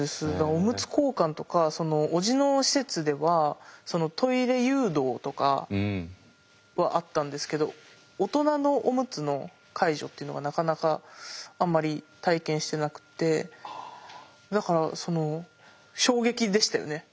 おむつ交換とかおじの施設ではトイレ誘導とかはあったんですけど大人のおむつの介助っていうのがなかなかあんまり体験してなくってだからその衝撃でしたよね。